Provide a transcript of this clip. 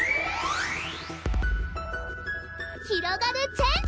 ひろがるチェンジ！